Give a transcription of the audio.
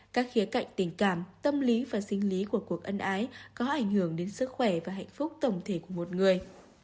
các khía cạnh tình cảm tâm lý và sinh lý của cuộc ân ái có ảnh hưởng đến sức khỏe và hạnh phúc tổng thể của một người